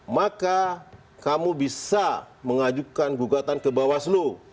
maka kamu bisa mengajukan gugatan ke bawah selu